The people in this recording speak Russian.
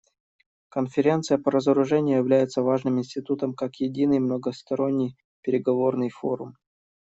Конференция по разоружению является важным институтом как единый многосторонний переговорный форум.